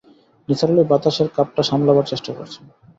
নিসার আলি বাতাসের কাপ্টা সামলাবার চেষ্টা করছেন।